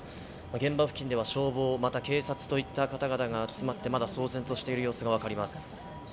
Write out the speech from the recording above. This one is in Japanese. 現場付近では消防、また警察といった方々が集まって、まだ騒然としている様子がわかります。